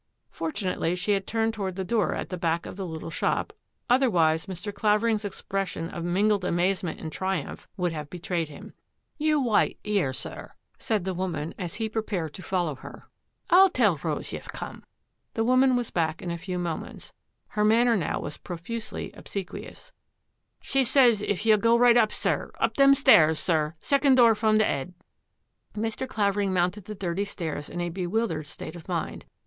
Fortunately she had turned toward the door at the back of the little shop, otherwise Mr. Claver ing's expression of mingled amazement and tri umph would have betrayed him. " Ye wyte 'ere, sir," said the woman, as he pre pared to follow her. " I'll tell Rose ye've come." The woman was back in a few moments. Her manner was now profusely obsequious. " She sez if ye'U go right up, sir, up them stairs, sir, second door from the 'ead." Mr. Clavering mounted the dirty stairs in a be wildered state of mind.